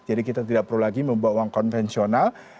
jadi kita tidak perlu lagi membuat uang konvensional